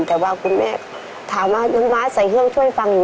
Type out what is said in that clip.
แต่ว่าคุณแม่ถามว่าน้องม้าใส่เครื่องช่วยฟังอยู่